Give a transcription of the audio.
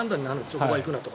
そこは行くなと。